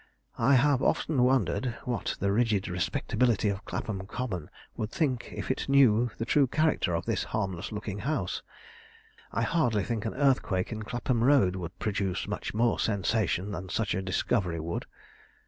I have often wondered what the rigid respectability of Clapham Common would think if it knew the true character of this harmless looking house. I hardly think an earthquake in Clapham Road would produce much more sensation than such a discovery would.